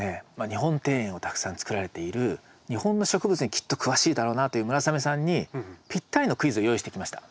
日本庭園をたくさんつくられている日本の植物にきっと詳しいだろうなという村雨さんにぴったりのクイズを用意してきました。